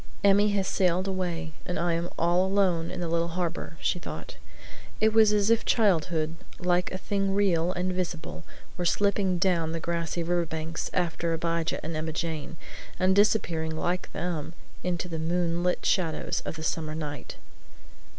"Emmy has sailed away and I am all alone in the little harbor," she thought. It was as if childhood, like a thing real and visible, were slipping down the grassy river banks, after Abijah and Emma Jane, and disappearing like them into the moon lit shadows of the summer night.